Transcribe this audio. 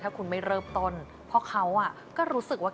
ถ้าคุณไม่เริ่มต้นเพราะเขาก็รู้สึกว่า